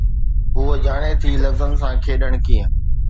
هوءَ ڄاڻي ٿي لفظن سان کيڏڻ ڪيئن